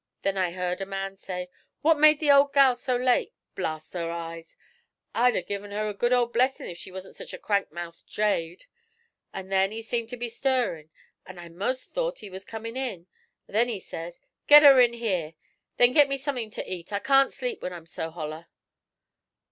Then I heard a man say, "What made the old gal so late, blast her eyes! I'd go an' give her a good old blessin' if she wasn't sech a crank mouthed jade." An' then he seemed to be stirrin', an' I 'most thought he was comin' in; but then he says, "Git her in here, an' then git me somethin' ter eat. I can't sleep when I'm so holler."